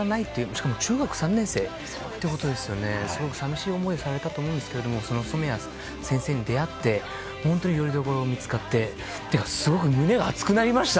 しかも中学３年生でということですごく寂しい思いをされたと思うんですが染矢先生に出会ってよりどころが見つかって。というかすごく胸が熱くなりました。